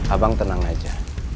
abang tenang aja